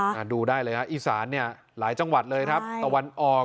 มาดูได้เลยฮะอีสานเนี่ยหลายจังหวัดเลยครับตะวันออก